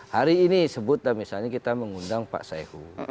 hari ini sebutlah misalnya kita mengundang pak saihu